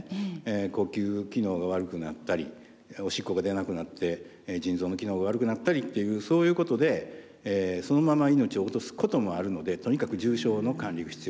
呼吸機能が悪くなったりおしっこが出なくなって腎臓の機能が悪くなったりっていうそういうことでそのまま命を落とすこともあるのでとにかく重症の管理が必要です。